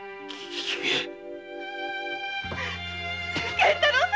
源太郎様！